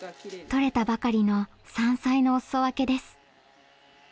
採れたばかりの山菜のお裾分けです。